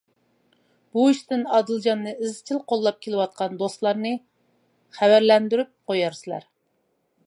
بۇ ئىشتىن ئادىلجاننى ئىزچىل قوللاپ كېلىۋاتقان دوستلارنى خەۋەرلەندۈرۈپ قويارسىلەر.